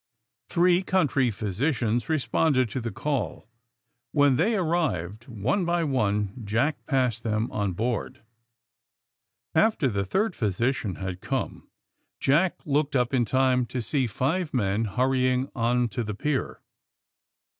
Three country physicians responded to the call. When they arrived, one by one, Jack passed them on board. After the third physician had come Jack looked up in time to see five men hurrying on to the pier.